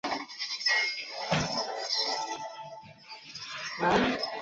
台铁新竹站位于台湾新竹市东区。